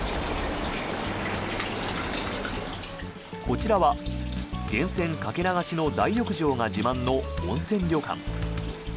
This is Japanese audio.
こちらは源泉かけ流しの大浴場が自慢の温泉旅館。